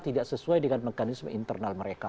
tidak sesuai dengan mekanisme internal mereka